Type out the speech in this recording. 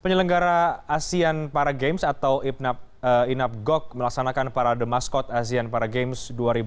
penyelenggara asean paragames atau inapgoc melaksanakan parade maskot asean paragames dua ribu delapan belas